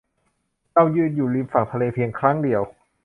เรายืนอยู่ริมฝั่งทะเลเพียงครั้งเดียว